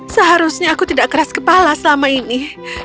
seharusnya aku tidak keras kepala selama ini